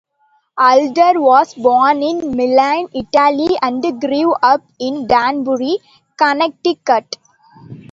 Adler was born in Milan, Italy, and grew up in Danbury, Connecticut.